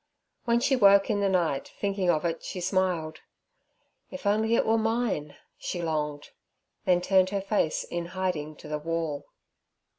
When she woke in the night thinking of it she smiled. 'If only it were mine!' she longed, then turned her face in hiding to the wall.